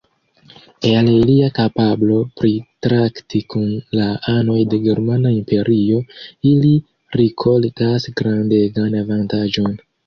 El ilia kapablo pritrakti kun la anoj de germana imperio, ili rikoltas grandegan avantaĝon.